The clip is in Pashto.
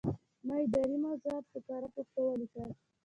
ما اداري موضوعات په کره پښتو ولیکل.